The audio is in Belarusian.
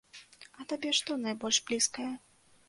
А табе што найбольш блізкае?